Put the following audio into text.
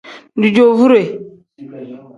Dijoovure.